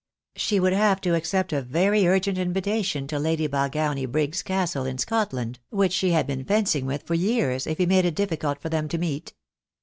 She would have to accept a very urgent invitation to Lady Balgowny Brigg's Castle in Scotland, which she had been fencing with for years, if he made it difficult for them to meet.